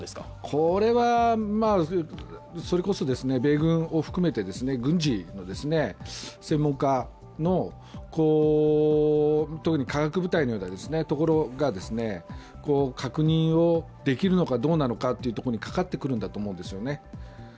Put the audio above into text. これは、それこそ米軍を含めて軍事の専門家の特に化学部隊のようなところが確認をできるのかどうかがかかってくるんですね。